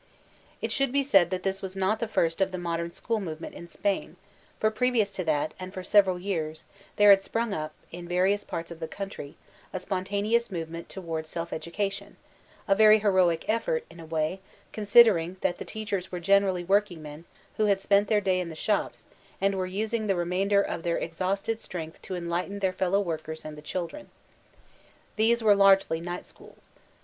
It should be said that this was not the first of the Modem School movement in Spain ; for previous to that, and for several years, there had sprung up, in various parts of the country, a spontaneous movement towards self education ; a very heroic effort, in a way, considering that the teachers were generally workingmen who had spent their day in the shops, and were using the remainder of their exhausted strength to enlighten their fellow workers and the children. These were largely night schools.